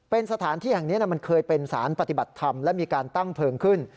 เป็นสถานที่แห่งนี้มันเคยเป็นสารปฏิบัติธรรมและมีการตั้งเพลิงขึ้น